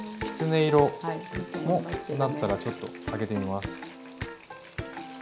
きつね色になったらちょっとあげてみます。